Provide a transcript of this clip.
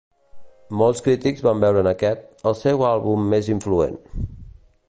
Molts crítics van veure en aquest el seu àlbum més influent.